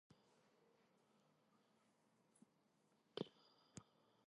იმ პერიოდში ჯგუფის საკონცერტო შემოქმედებაში კვლავ დაძაბული გრაფიკი იყო.